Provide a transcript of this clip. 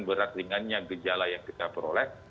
berat ringannya gejala yang kita peroleh